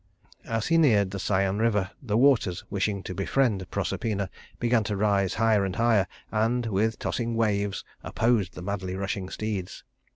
As he neared the Cyane River the waters, wishing to befriend Proserpina, began to rise higher and higher, and with tossing waves opposed the madly rushing steeds.